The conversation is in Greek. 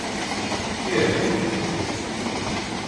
Τι έχω;